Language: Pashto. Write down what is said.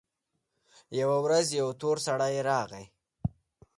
يوه ورځ يو تور سړى راغى.